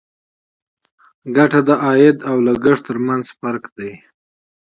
ګټه د عاید او لګښت تر منځ توپیر دی.